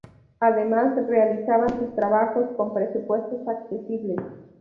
Además, realizaban sus trabajos con presupuestos accesibles.